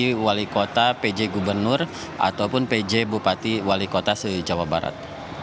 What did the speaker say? jadi wali kota pj gubernur ataupun pj bupati wali kota jawa barat